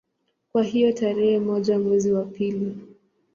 Kwa hiyo tarehe moja mwezi wa pili